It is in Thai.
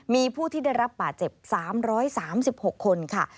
มีผู้ที่ได้รับบาดเจ็บ๓๓๖คนค่ะ